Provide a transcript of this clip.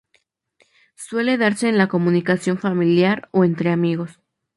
Suele darse en la comunicación familiar o entre amigos.